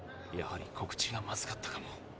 やはり告知がまずかったかも。